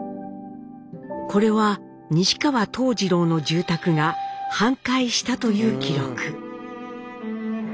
これは西川藤二郎の住宅が半壊したという記録。